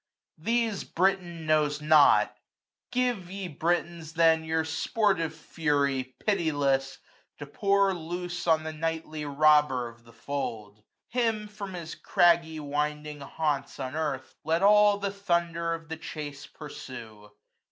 These Britain knows not; give, ye Britons, then Your sportive fury, pitiless, to pour 471 Loose on the nightly robber of the fold : Him, from his craggy winding haunts unearthM, Let all die thunder of the chase pursue.